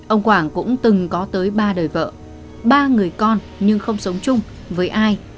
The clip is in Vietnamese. ông quảng cũng từng có tới ba đời vợ ba người con nhưng không sống chung với ai